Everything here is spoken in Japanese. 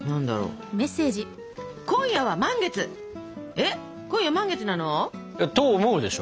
えっ今夜満月なの？と思うでしょ？